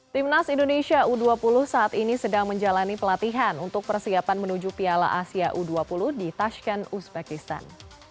timnas indonesia u dua puluh saat ini sedang menjalani pelatihan untuk persiapan menuju piala asia u dua puluh di tashken uzbekistan